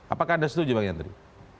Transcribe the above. apakah anda setuju bang yandri